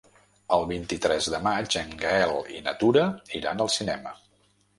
El vint-i-tres de maig en Gaël i na Tura iran al cinema.